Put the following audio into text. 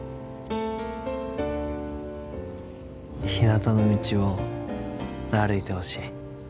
ひなたの道を歩いてほしい。